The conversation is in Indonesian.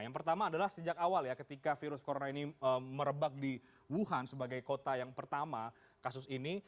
yang pertama adalah sejak awal ya ketika virus corona ini merebak di wuhan sebagai kota yang pertama kasus ini